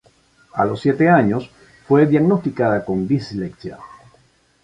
A lo siete años fue diagnosticada con dislexia.